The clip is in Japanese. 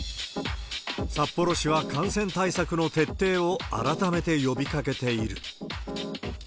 札幌市は感染対策の徹底を改めて呼びかけている。